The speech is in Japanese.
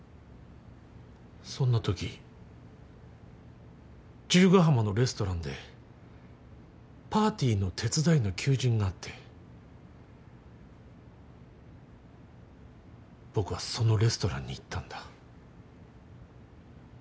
そんなとき十ヶ浜のレストランでパーティーの手伝いの求人があって僕はそのレストランに行ったんだ。